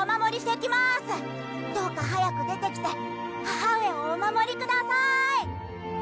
どうか早く出てきて母上をお守りくださーい。